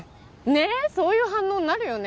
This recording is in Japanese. ねっそういう反応になるよね。